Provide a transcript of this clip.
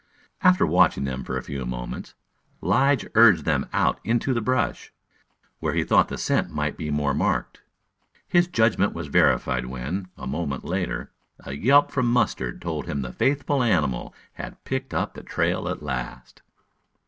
After watching them for a few moments, Lige urged them out into the brush, where he thought the scent might be more marked. His judgment was verified when, a moment later, a yelp from Mustard told him the faithful animal had picked up the trail at last.